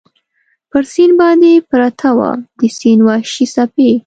پر سیند باندې پرته وه، د سیند وحشي څپې.